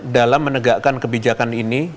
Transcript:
dalam menegakkan kebijakan ini